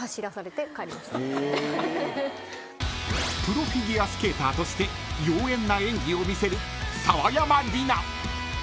［プロフィギュアスケーターとして妖艶な演技を見せる澤山璃奈］